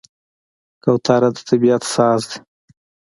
کوتره د طبیعت ساز ده.